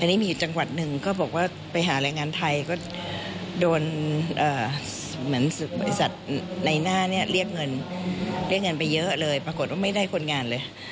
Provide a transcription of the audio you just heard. อันนี้มีอยู่จังหวัดหนึ่งก็บอกว่าไปหาแรงงานไทยก็โดนเหมือนบริษัทในหน้าเนี่ยเรียกเงินเรียกเงินไปเยอะเลยปรากฏว่าไม่ได้คนงานเลย